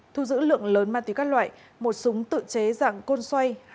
thu giữ lượng lớn ma túy các loại một súng tự chế dạng côn xoay